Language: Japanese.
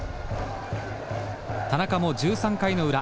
田中も１３回の裏。